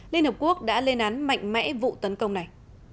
liên hợp quốc đã lên án mạnh mẽ vụ tấn công này